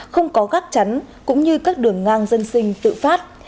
không có gắt chắn cũng như các đường ngang dân sinh tự phát